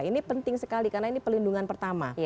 ini penting sekali karena ini pelindungan pertama